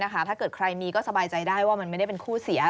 ถ้าเกิดใครมีก็สบายใจได้ว่ามันไม่ได้เป็นคู่เสีย